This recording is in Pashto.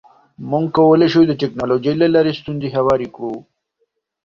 موږ کولی شو د ټکنالوژۍ له لارې ستونزې هوارې کړو.